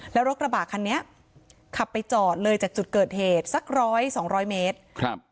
แล้วรถกระบะคันนี้ขับไปจอดเลยจากจุดเกิดเหตุสักร้อยสองร้อยเมตรครับ